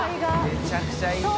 めちゃくちゃいいな。